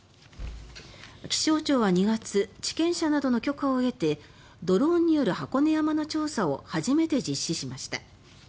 気象庁は２月地権者などの許可を得てドローンによる箱根山の調査を初めて実施しました。